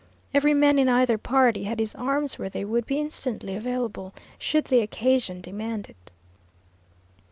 Every man in either party had his arms where they would be instantly available should the occasion demand it.